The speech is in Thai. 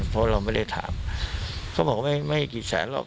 เพราะเราไม่ได้ถามเขาบอกว่าไม่กี่แสนหรอก